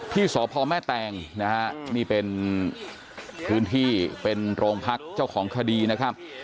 ที่สพแม่แตงนะฮะนี่เป็นพื้นที่เป็นโรงพักเจ้าของคดีนะครับ